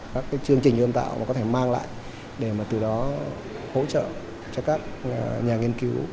các chương trình ươm tạo có thể mang lại để từ đó hỗ trợ cho các nhà nghiên cứu